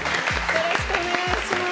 よろしくお願いします。